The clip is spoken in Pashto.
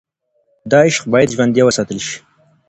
دا عشق باید ژوندی وساتل شي.